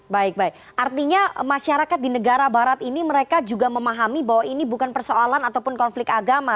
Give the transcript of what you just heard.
baik baik artinya masyarakat di negara barat ini mereka juga memahami bahwa ini bukan persoalan ataupun konflik agama